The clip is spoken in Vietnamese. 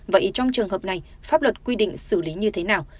vậy trong trường hợp này pháp luật quy định xử lý như thế nào